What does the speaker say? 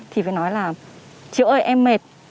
thì phải nói là chị ơi em mệt